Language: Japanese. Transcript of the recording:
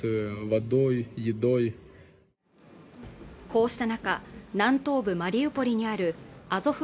こうした中南東部マリウポリにあるアゾフ